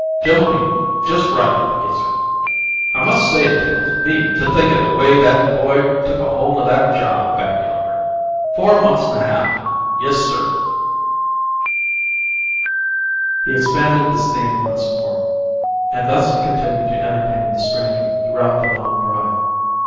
Jim'll be just right if he gets her. I must say it tickles ME to think o' the way that boy took ahold o' that job back yonder. Four months and a half! Yes, sir " He expanded this theme once more; and thus he continued to entertain the stranger throughout the long drive.